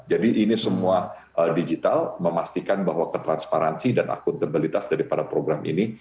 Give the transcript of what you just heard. jadi ini semua digital memastikan bahwa ketransparansi dan akuntabilitas dari program ini